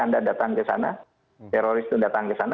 anda datang ke sana teroris itu datang ke sana